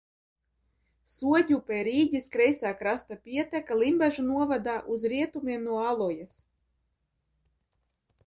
Soģupe ir Īģes kreisā krasta pieteka Limbažu novadā uz rietumiem no Alojas.